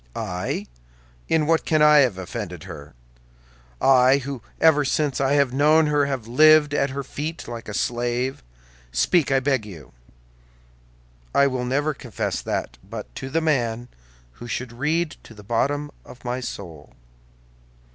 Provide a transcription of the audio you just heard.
"I? In what can I have offended her—I who ever since I have known her have lived at her feet like a slave? Speak, I beg you!" "I will never confess that but to the man—who should read to the bottom of my soul!"